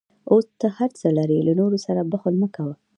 اوس ته هر څه لرې، له نورو سره بخل مه کوه.